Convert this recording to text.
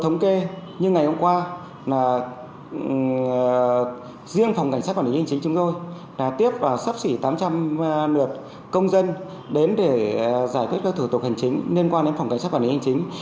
nếu không được công dân đến để giải quyết các thủ tục hành chính liên quan đến phòng cảnh sát quản lý hành chính